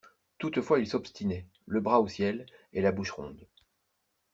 Toutefois il s'obstinait, le bras au ciel, et la bouche ronde.